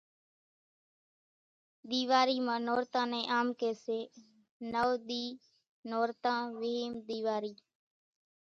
ۮيواري مان نورتان نين آم ڪي سي نوَ ۮي نورتان ويھم ۮيواري